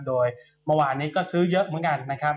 โดยเมื่อวานนี้ก็ซื้อเยอะเหมือนกันนะครับ